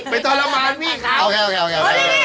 ไม่ตระมารนี่ครับอย่างไร